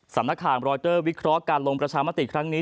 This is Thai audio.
สำนักข่าวรอยเตอร์วิเคราะห์การลงประชามติครั้งนี้